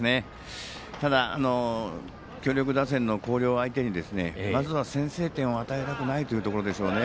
ただ強力打線の広陵相手にまずは先制点を与えたくないところでしょうね。